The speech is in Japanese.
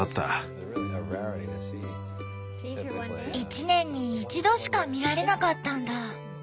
一年に一度しか見られなかったんだ。